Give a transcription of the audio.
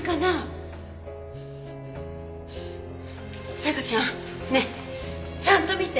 沙也加ちゃんねえちゃんと見て！